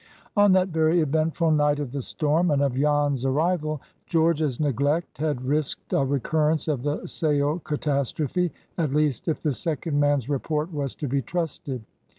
On that very eventful night of the storm, and of Jan's arrival, George's neglect had risked a recurrence of the sail catastrophe. At least if the second man's report was to be trusted.